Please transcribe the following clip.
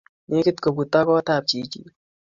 Nekit koputok kot ap chichin